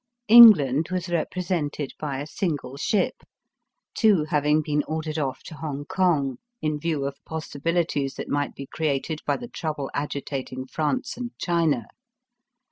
England was represented by a single ship, two having been ordered off to Hongkong in view of possibilities that might be created by the trouble agitating France and China.